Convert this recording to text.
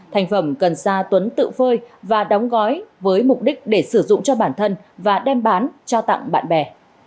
thành phẩm cần ra tuấn tự phơi và đóng gói với mục đích để sử dụng cho bản thân và đem bán cho tặng bạn bè